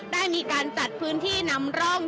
ได้มีการจัดพื้นที่นำร่อง